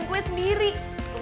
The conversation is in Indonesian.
paket begini dac